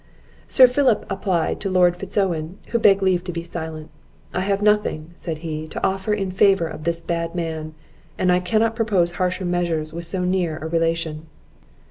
Sir Philip applied to Lord Fitz Owen, who begged leave to be silent. "I have nothing," said he, "to offer in favour of this bad man; and I cannot propose harsher measures with so near a relation."